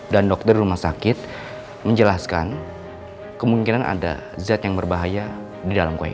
dan dokter rumah sakit menjelaskan kemungkinan ada zat yang berbahaya di dalam kue itu